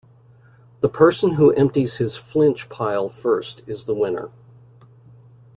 The person who empties his Flinch Pile first is the winner.